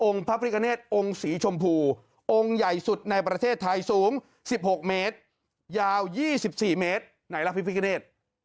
องค์พระฟิกเกณฑ์องค์ศรีชมพูองค์ใหญ่สุดในประเทศไทยสูง๑๖เมตรยาว๒๔เมตรไหนล่ะพระฟิกเกณฑ์